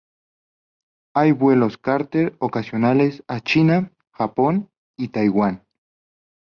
Hay vuelos chárter ocasionales a China, Japón, y Taiwán.